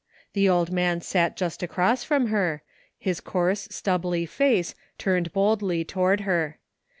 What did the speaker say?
The old man sat just across from her, his coarse stubbly face turned boldly toward her.